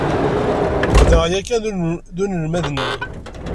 Hedreɣ yakan d unelmad-nni.